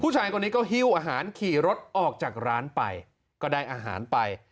ผู้ชายคนนี้ก็หิ้วอาหารขี่รถออกจากร้านไปก็ได้อาหารไป